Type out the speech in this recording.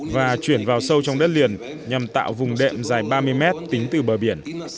và chuyển vào sâu trong đất liền nhằm tạo vùng đệm dài ba mươi mét tính từ bờ biển